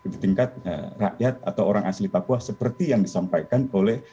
di tingkat rakyat atau orang asli papua seperti yang disampaikan oleh